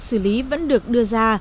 xử lý vẫn được đưa ra